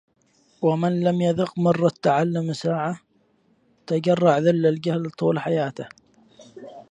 ومن لم يذق مر التعلم ساعــة... تجرع ذل الجهل طول حياته